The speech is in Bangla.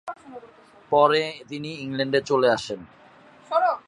পরে তিনি ইংল্যান্ডে চলে আসেন।